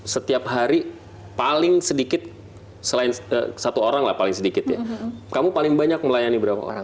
setiap hari paling sedikit selain satu orang lah paling sedikit ya kamu paling banyak melayani berapa orang